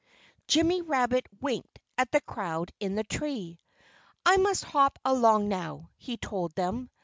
Jimmy Rabbit winked at the crowd in the tree. "I must hop along now," he told them.